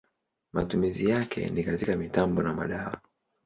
Matumizi yake ni katika mitambo na madawa.